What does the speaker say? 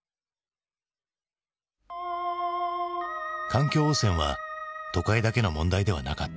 環境汚染は都会だけの問題ではなかった。